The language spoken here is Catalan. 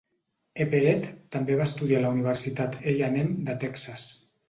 Everett també va estudiar a la Universitat A and M de Texas.